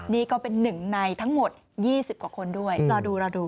นี่ก็เป็นหนึ่งในทั้งหมด๒๐กว่าคนด้วยรอดูรอดู